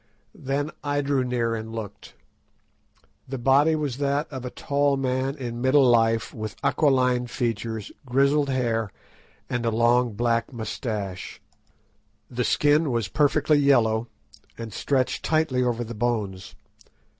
Then I drew near and looked. The body was that of a tall man in middle life with aquiline features, grizzled hair, and a long black moustache. The skin was perfectly yellow, and stretched tightly over the bones.